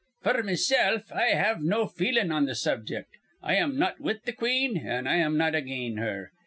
F'r mesilf, I have no feelin' on th' subject. I am not with th' queen an' I'm not again her.